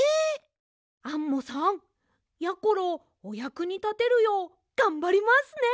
アンモさんやころおやくにたてるようがんばりますね！